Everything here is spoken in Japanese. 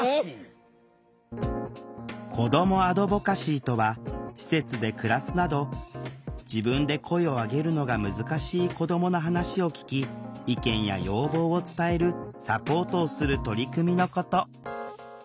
子どもアドボカシーとは施設で暮らすなど自分で声を上げるのが難しい子どもの話を聴き意見や要望を伝えるサポートをする取り組みのこと。